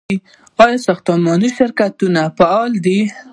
آیا ساختماني شرکتونه فعال دي؟